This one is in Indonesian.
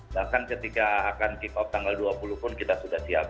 bahkan ketika akan kick off tanggal dua puluh pun kita sudah siap